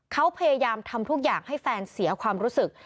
เขาพยายามทำทุกอย่างให้แฟนเสียความรู้สึก